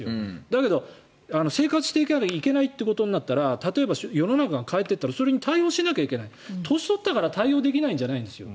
だけど生活しなきゃいけないとなったら世の中が変わったら対応しなきゃいけない年取ったから対応できないんじゃないんですよ。